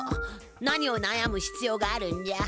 何をなやむひつようがあるんじゃ。